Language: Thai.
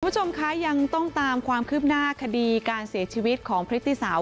คุณผู้ชมคะยังต้องตามความคืบหน้าคดีการเสียชีวิตของพฤติสาว